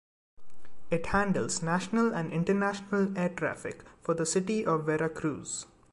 It handles national and international air traffic for the city of Veracruz.